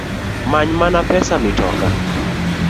Manymana pesa mitoka